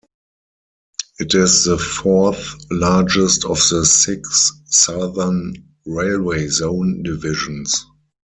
It is the fourth-largest of the six Southern Railway zone divisions.